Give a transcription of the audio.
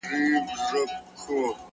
ښه دی په دې ازمايښتونو کي به ځان ووينم.!